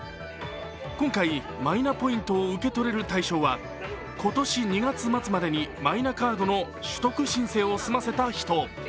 今回、マイナポイントが受け取れる対象は今年２月末までにマイナカードの取得申請を済ませた人。